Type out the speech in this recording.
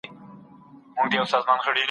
انصاف نه دی چي و نه ستایو دا امن مو وطن کي